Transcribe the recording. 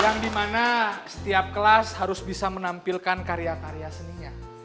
yang dimana setiap kelas harus bisa menampilkan karya karya seninya